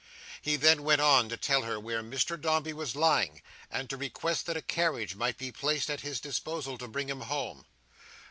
He then went on to tell her where Mr Dombey was lying, and to request that a carriage might be placed at his disposal to bring him home.